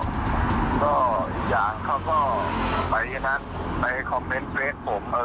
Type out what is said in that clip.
ก็อีกอย่างเขาก็ไปที่นั้นไปคอมเมนต์เฟสผม